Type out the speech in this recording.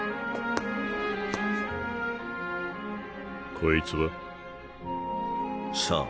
こいつは？さあ？